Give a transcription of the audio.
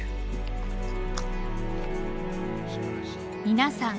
皆さん